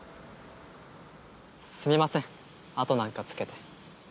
すみません後なんかつけて。